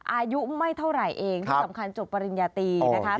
อายุไม่เท่าไหร่เองที่สำคัญจบปริญญาตีนะคะ